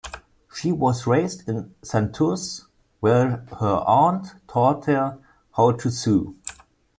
She was raised in Santurce where her aunt taught her how to sew.